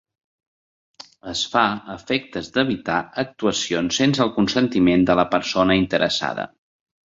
Es fa a efectes d'evitar actuacions sense el consentiment de la persona interessada.